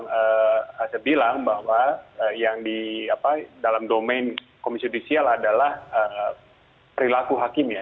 saya bilang bahwa yang di dalam domain komisi judisial adalah perilaku hakim ya